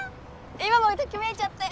今もときめいちゃったよ！